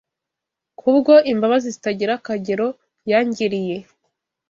kubwo imbabazi zitagira akagero yangiriye.